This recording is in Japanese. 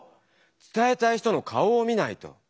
伝えたい人の顔を見ないと。